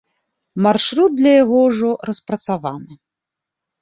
Маршрут для яго ўжо распрацаваны.